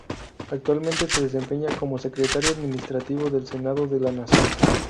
Actualmente se desempeña como secretario administrativo del Senado de la Nación.